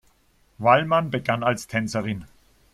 Wallmann begann als Tänzerin.